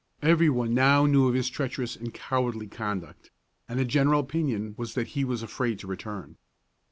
Every one now knew of his treacherous and cowardly conduct, and the general opinion was that he was afraid to return.